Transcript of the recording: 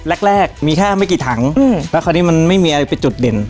แรกแรกมีแค่ไม่กี่ถังแล้วคราวนี้มันไม่มีอะไรเป็นจุดเด่น